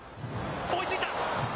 追いついた。